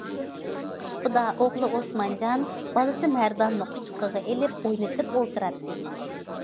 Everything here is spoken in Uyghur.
سۇپىدا ئوغلى ئوسمانجان بالىسى مەرداننى قۇچىقىغا ئېلىپ ئوينىتىپ ئولتۇراتتى.